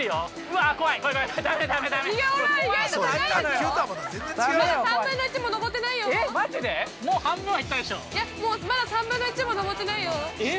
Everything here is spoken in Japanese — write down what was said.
◆まだ３分の１も登ってないよー。